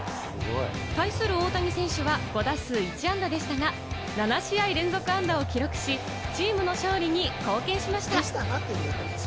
対する大谷選手は５打数１安打でしたが、７試合連続安打を記録し、チームの勝利に貢献しました。